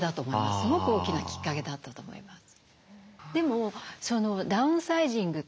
すごく大きなきっかけだったと思います。